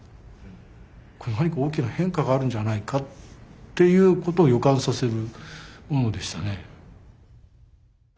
何か大きな変化があるんじゃないかっていうことを予感させるものでしたね。